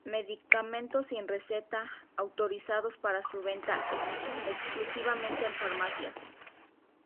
Medicamentos sin receta, autorizados para su venta exclusivamente en farmacias.